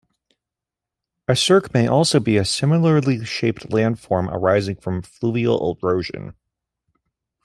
A cirque may also be a similarly shaped landform arising from fluvial erosion.